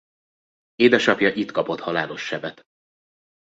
Édesapja itt kapott halálos sebet.